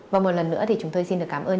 và một lần nữa thì chúng tôi xin được cảm ơn